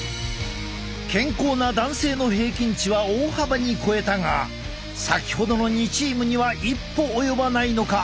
健康な男性の平均値は大幅に超えたが先ほどの２チームには一歩及ばないのか。